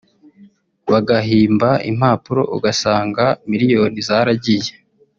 bagahimba impapuro ugasanga miliyoni zaragiye